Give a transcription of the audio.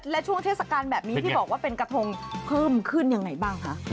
และช่วงเทศกาลแบบนี้ที่บอกว่าเป็นกระทงเพิ่มขึ้นยังไงบ้างคะ